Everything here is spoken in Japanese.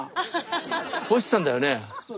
星さんだよね？